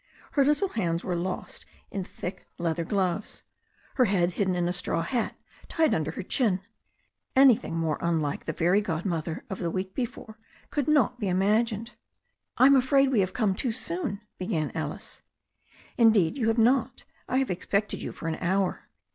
Her little hands were lost in thick leather gloves, her head hidden in a straw hat tied under her chin. Anything more unlike the fairy god mother of the week before could not be imagined. Tm afraid we have come too soon," began Alice. Indeed, you have not. I have expected you for an hour.